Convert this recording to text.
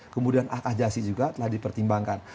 kemudian akasasi juga telah dipertimbangkan